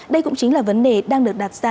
đây cũng chính là vấn đề đang được đặt ra